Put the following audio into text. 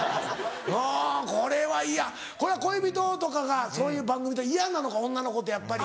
あぁこれはいやこれは恋人とかがそういう番組って嫌なのか女の子ってやっぱり。